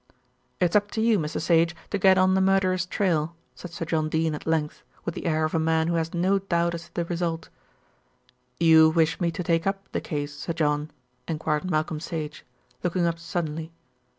"It's up to you, Mr. Sage, to get on the murderer's trail," said Sir John Dene at length, with the air of a man who has no doubt as to the result. "You wish me to take up the case, Sir John?" enquired Malcolm Sage, looking up suddenly.